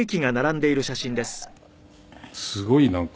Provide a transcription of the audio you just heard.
すごいなんかもう。